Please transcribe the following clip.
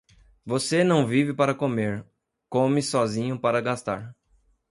Você não vive para comer, come sozinho para gastar.